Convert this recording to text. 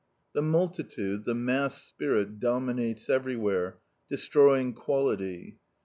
The multitude, the mass spirit, dominates everywhere, destroying quality.